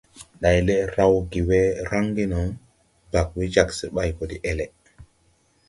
Nday lɛʼ rawge we raŋge no, bag we jag se ɓay do de-ɛle.